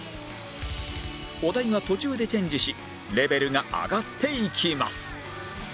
お題が途中でチェンジしレベルが上がっていきます